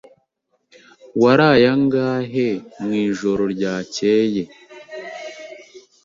Waraye angahe mwijoro ryakeye?